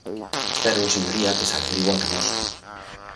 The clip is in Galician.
Espero, señoría, que se alegre igual ca nós.